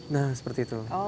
nah seperti itu